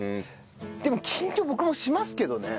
でも緊張僕もしますけどね。